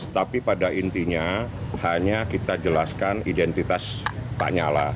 sembilan belas tapi pada intinya hanya kita jelaskan identitas lanyala